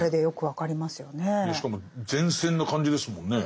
しかも前線な感じですもんね。